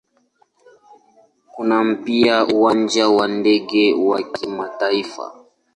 Kuna pia Uwanja wa ndege wa kimataifa.